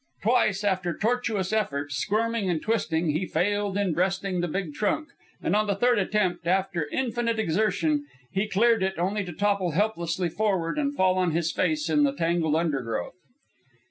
Twice, after tortuous effort, squirming and twisting, he failed in breasting the big trunk, and on the third attempt, after infinite exertion, he cleared it only to topple helplessly forward and fall on his face in the tangled undergrowth.